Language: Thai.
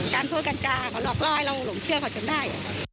การพูดการจารักษณะเขาหลอกร้อยเราหลงเชื่อเขาจนได้